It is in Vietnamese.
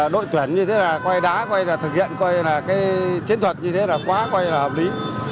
đội tuyển như thế là quay đá quay là thực hiện quay là cái chiến thuật như thế là quá quay là hợp lý